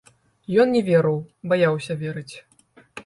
Ён не верыў, баяўся верыць.